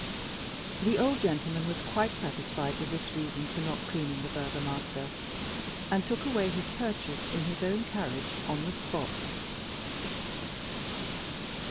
The old gentleman was quite satisfied with this reason for not cleaning the Burgomaster, and took away his purchase in his own carriage on the spot.